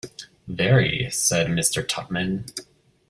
‘Very!’ said Mr. Tupman.